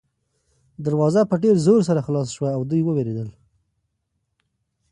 دروازه په ډېر زور سره خلاصه شوه او دوی دواړه ووېرېدل.